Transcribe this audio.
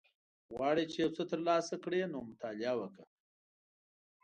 غواړی چی یوڅه تر لاسه کړی نو مطالعه وکړه